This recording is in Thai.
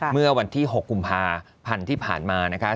เมื่อวันที่๖กุมภาพันธ์ที่ผ่านมานะคะ